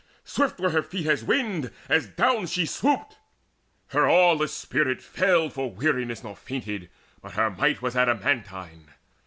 Swift were her feet as wind As down she swooped. Her aweless spirit failed For weariness nor fainted, but her might Was adamantine.